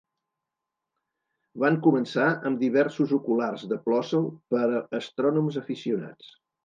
Van començar amb diversos oculars de Plossl per a astrònoms aficionats.